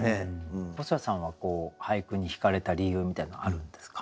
細谷さんは俳句にひかれた理由みたいなのあるんですか？